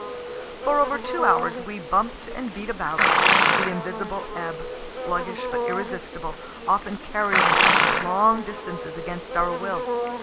For over two hours we bump'd and beat about, the invisible ebb, sluggish but irresistible, often carrying us long distances against our will.